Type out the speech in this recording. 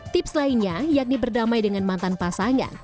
tips lainnya yakni berdamai dengan mantan pasangan